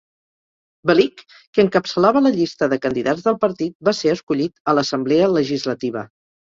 Belykh, que encapçalava la llista de candidats del partit, va ser escollit a l'Assemblea Legislativa.